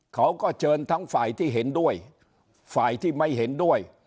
เขาก็เชิญทั้งฝ่ายที่เห็นด้วยฝ่ายที่ไม่เห็นด้วย